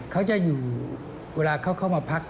เขาจะอยู่เวลาเขาเข้ามาพัก